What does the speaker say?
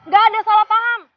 gak ada salah paham